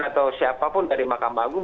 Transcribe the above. atau siapapun dari mahkamah agung